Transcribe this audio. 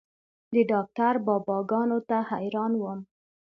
د ډاکتر بابا ګانو ته حيران وم.